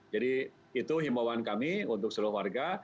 jadi itu imbauan kami untuk seluruh warga